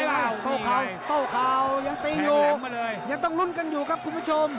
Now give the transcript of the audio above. โต้เข่าโต้เข่ายังตีอยู่ยังต้องลุ้นกันอยู่ครับคุณผู้ชม